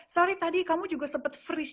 sorry tadi kamu juga sempat free